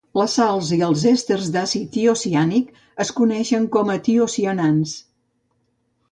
Les sals i èsters d'àcid tiociànic es coneixen com tiocianats.